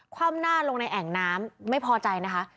คว่ำหน้าลงในแอ่งน้ำไม่พอใจนะคะ